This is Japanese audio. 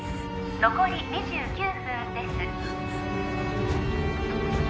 残り２９分です